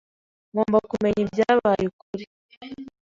Ngomba kumenya ibyabaye kuri .